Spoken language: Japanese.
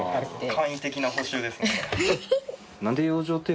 簡易的な補修ですね。